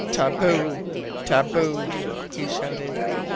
"Taboo! Taboo!" he shouted.